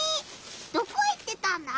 どこ行ってたんだ？